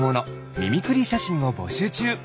ミミクリーしゃしんをぼしゅうちゅう。